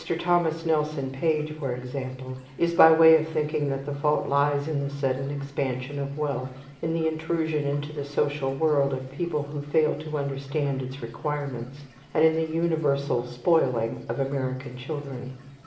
Thomas Nelson Page, for example, is by way of thinking that the fault lies in the sudden expansion of wealth, in the intrusion into the social world of people who fail to understand its requirements, and in the universal "spoiling" of American children.